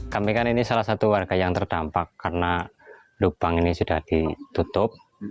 kami kan ini salah satu warga yang terdampak karena lubang ini sudah ditutup